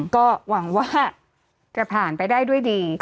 ก็หวังว่าจะผ่านไปได้ด้วยดี